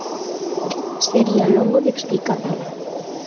Sería longo de explicar.